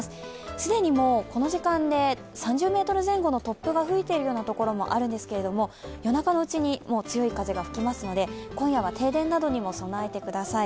既にこの時間で３０ｍ前後の突風が吹いているところもあるんですけど夜中のうちに強い風が吹きますので、今夜は停電などにも備えてください。